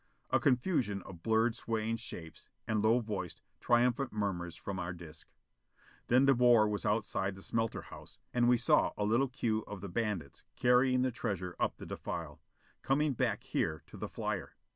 A confusion of blurred swaying shapes, and low voiced, triumphant murmurs from our disc. Then De Boer was outside the smelter house, and we saw a little queue of the bandits carrying the treasure up the defile. Coming back here to the flyer.